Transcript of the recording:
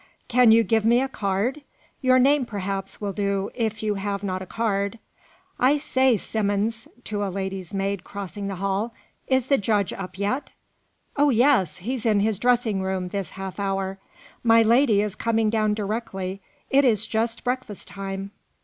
"Can you give me a card? your name, perhaps, will do, if you have not a card. I say, Simmons" (to a lady's maid crossing the hall), "is the judge up yet?" "Oh, yes! he's in his dressing room this half hour. My lady is coming down directly. It is just breakfast time."